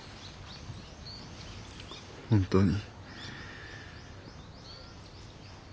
本当に？